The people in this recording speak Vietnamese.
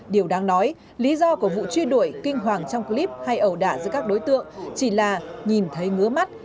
điều đáng nói lý do của vụ truy đuổi kinh hoàng trong clip hay ẩu đả giữa các đối tượng chỉ là nhìn thấy ngứa mắt